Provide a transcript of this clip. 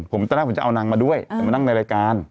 ผมตอนแรกผมจะเอานางมาด้วยผมมานั่งในรายการ